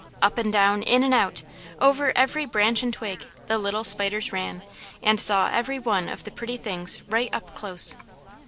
Up and down, in and out, over every branch and twig, the little spiders ran, and saw every one of the pretty things right up close.